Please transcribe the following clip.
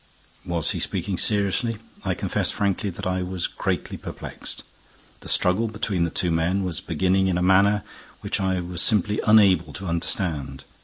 Was he speaking seriously? I confess frankly that I was greatly perplexed. The struggle between the two men was beginning in a manner which I was simply unable to understand.